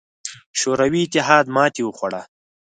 شوروي اتحاد ماتې وخوړه.